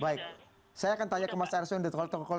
baik saya akan tanya ke mas arsene tengokolo